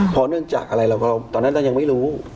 เพราะเนื่องจากอะไรเราก็ตอนนั้นเรายังไม่รู้